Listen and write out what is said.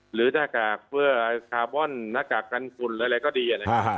หรือหน้ากากเพื่อคาร์บอนหน้ากากกันคุณอะไรก็ดี